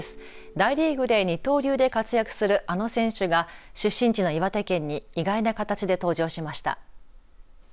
大リーグで二刀流で活躍するあの選手が出身地の岩手県に意外な形で登場しました。